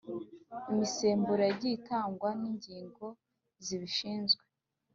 imisemburo yagiye itangwa n’ingingo zibishinzwe ,